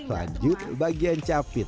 lanjut bagian capit